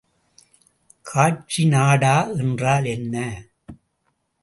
காட்சி நாடா என்றால் என்ன?